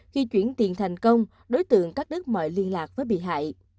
khi chuyển tiền thành công đối tượng các đất mọi liên lạc với bị hại